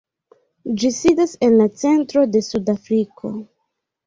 Ĝi sidas en la centro de Sud-Afriko.